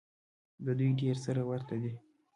دوی ډېر سره ورته دي.